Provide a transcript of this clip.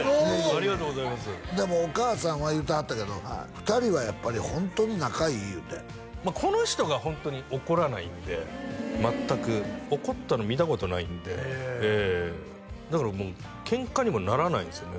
ありがとうございますでもお母さんは言うてはったけど「２人はやっぱりホントに仲いい」いうてこの人がホントに怒らないんで全く怒ったの見たことないんでええだからもうケンカにもならないんですよね